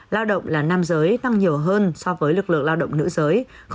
lao động là nam giới tăng nhiều hơn so với lực lượng lao động nữ giới